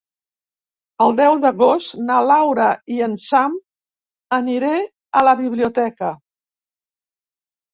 El deu d'agost na Laura i en Sam aniré a la biblioteca.